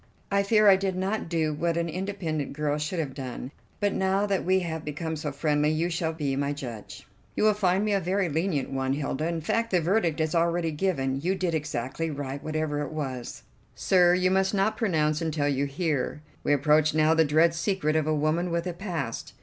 I fear I did not do what an independent girl should have done, but now that we have become so friendly you shall be my judge." "You will find me a very lenient one, Hilda; in fact the verdict is already given: you did exactly right whatever it was." "Sir, you must not pronounce until you hear. We approach now the dread secret of a woman with a past.